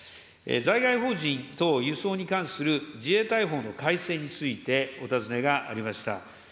在外邦人等輸送に関する自衛隊法の改正についてお尋ねがありました。